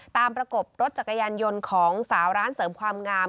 ประกบรถจักรยานยนต์ของสาวร้านเสริมความงาม